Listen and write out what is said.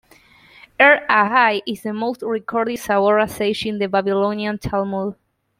R. Ahai is the most recorded Savora sage in the Babylonian Talmud.